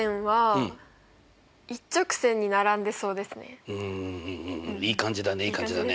うんいい感じだねいい感じだね。